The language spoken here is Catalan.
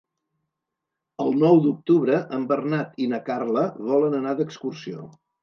El nou d'octubre en Bernat i na Carla volen anar d'excursió.